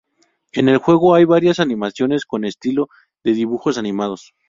En el juego hay varias animaciones con un estilo de dibujos animados.